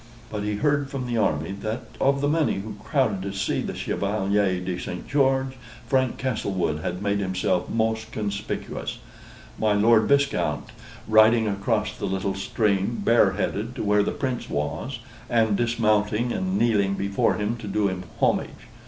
But he heard from the army, that of the many who crowded to see the Chevalier de St. George, Frank Castlewood had made himself most conspicuous: my Lord Viscount riding across the little stream bareheaded to where the Prince was, and dismounting and kneeling before him to do him homage.